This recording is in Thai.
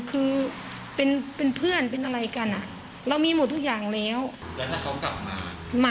คือเป็นเป็นเพื่อนเป็นอะไรกันอ่ะเรามีหมดทุกอย่างแล้วแล้วถ้าเขากลับมา